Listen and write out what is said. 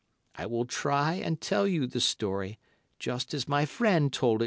I will try and tell you the story just as my friend told it to me."